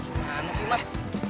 mana sih mbak